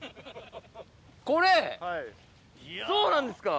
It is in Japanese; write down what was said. これそうなんですか